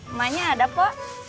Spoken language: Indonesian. emanya ada po